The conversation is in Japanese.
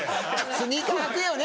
スニーカー履くよね